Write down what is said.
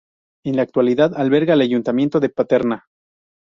En la actualidad alberga el ayuntamiento de Paterna.